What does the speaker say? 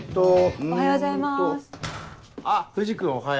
おはようございます。